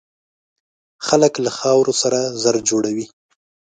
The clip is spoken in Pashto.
خلک له خاورو سره زر جوړوي.